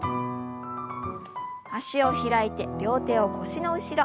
脚を開いて両手を腰の後ろ。